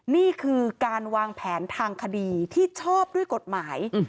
นี่คือการวางแผนทางคดีที่ชอบด้วยกฎหมาย